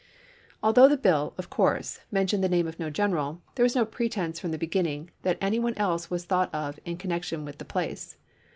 Although the bill, of course, mentioned the name of no general, there was no pretense from the beginning that any one else was thought of in con nection with the place.